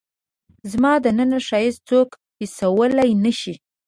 زما دننه ښایست څوک حسولای نه شي